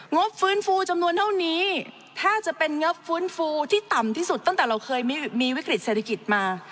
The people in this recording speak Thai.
งบฟื้นฟูจำนวนเท่านี้ถ้าจะเป็นงบฟื้นฟูที่ต่ำที่สุดตั้งแต่เราเคยมีวิกฤตเศรษฐกิจมา